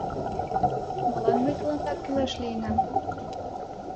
— Молан мый тыланда кӱлеш лийынам?